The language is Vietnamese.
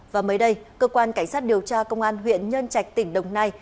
và mới đây cơ quan cảnh sát điều tra công an huyện nhân trạch tỉnh đồng nai